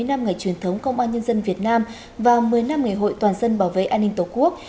bảy mươi năm ngày truyền thống công an nhân dân việt nam và một mươi năm ngày hội toàn dân bảo vệ an ninh tổ quốc